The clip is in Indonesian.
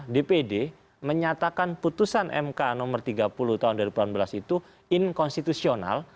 dpd menyatakan putusan mk nomor tiga puluh tahun dua ribu delapan belas itu inkonstitusional